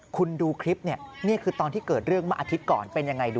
คุณดูคลิปเนี่ยนี่คือตอนที่เกิดเรื่องเมื่ออาทิตย์ก่อนเป็นยังไงดู